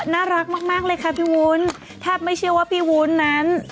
น่ารักมากเลยค่ะพี่วุ้นแทบไม่เชื่อว่าพี่วุ้นนั้น